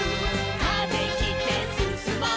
「風切ってすすもう」